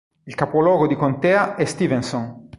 Il capoluogo di contea è Stevenson.